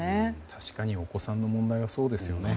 確かにお子さんの問題はそうですよね。